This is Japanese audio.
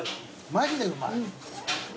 マジでうまい。